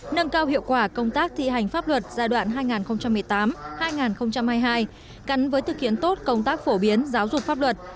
nâng cao hiệu quả công tác thi hành pháp luật giai đoạn hai nghìn một mươi tám hai nghìn hai mươi hai cắn với thực hiện tốt công tác phổ biến giáo dục pháp luật